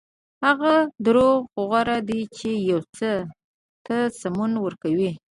هغه دروغ غوره دي چې یو څه ته سمون ورکوي.